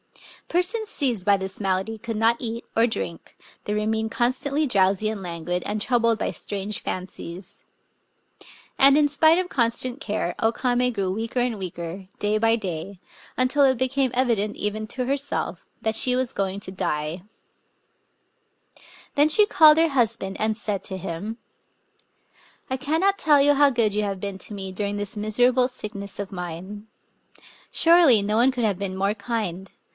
Persons seized by this malady could not eat or drink ; they remained constantly drowsy and languid, and troubled by strange fancies. And, in spite of constant care, O Kame grew weaker and weaker, day by day, until it became evident, even to herself, that she was going to die. 47 Digitized by Googk 48 THE STORY OF 0 KAM£ Then she called her husband, and said to him: — "I cannot tell you how good you have been to me during this miserable sickness of mine. Surely no one could have been more kind.